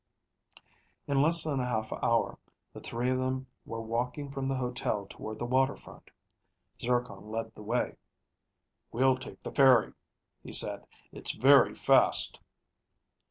In less than a half hour the three of them were walking from the hotel toward the water front. Zircon led the way. "We'll take the ferry," he said. "It's very fast."